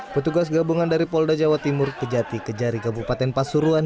petugas gabungan dari polda jawa timur kejati kejari kabupaten pasuruan